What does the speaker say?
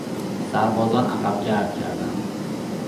سربازان عقبگرد کردند.